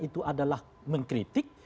itu adalah mengkritik